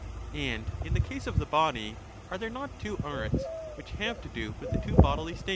And in the case of the body are there not two arts away the ^ which have to do with the two bodily states?